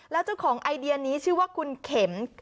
แล้วเจ้าของไอเดียนี้ชื่อว่าคุณเข็ม